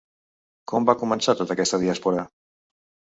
Com va començar tota aquesta diàspora?